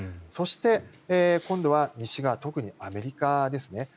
そして、今度は西側特にアメリカですね。